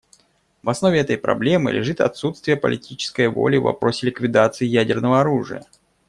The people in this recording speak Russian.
В основе этой проблемы лежит отсутствие политической воли в вопросе ликвидации ядерного оружия.